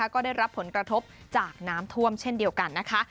ก็ได้รับผลกระทบจากน้ำท่วมเช่นเดียวกันนะคะ